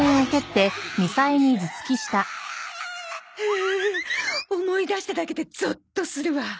うう思い出しただけでゾッとするわ。